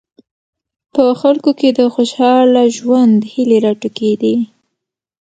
په خلکو کې د خوشاله ژوند هیلې راوټوکېدې.